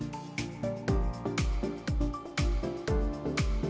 jadi kemudian perlu invisibilisir para pemain ke perjalanan ke perang saja